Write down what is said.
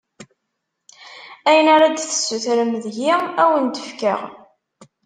Ayen ara d-tessutrem deg-i, ad wen-t-fkeɣ.